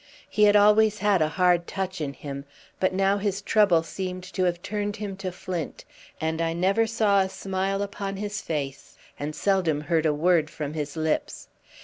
He had always had a hard touch in him, but now his trouble seemed to have turned him to flint, and I never saw a smile upon his face, and seldom heard a word from his lips.